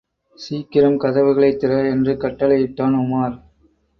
சீக்கிரம் கதவுகளைத் திற! என்று கட்டளையிட்டான் உமார்.